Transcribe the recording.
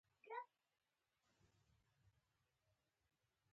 هر هډوکی په دقیق ډول لابراتوار ته لیږدول کېږي.